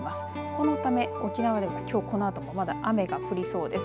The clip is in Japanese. そのため沖縄ではきょうこのあともまだ雨が降りそうです。